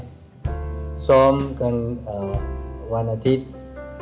แล้วก็เล่นวันอาทิตย์